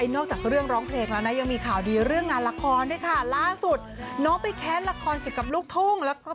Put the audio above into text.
นอกจากเรื่องร้องเพลงแล้วนะยังมีข่าวดีเรื่องงานละครด้วยค่ะ